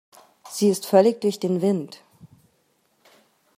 Sie ist völlig durch den Wind.